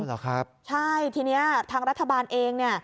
โอ้หรือครับใช่ทีนี้ทางรัฐบาลเอง